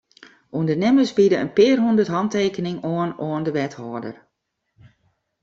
Undernimmers biede in pear hûndert hantekeningen oan oan de wethâlder.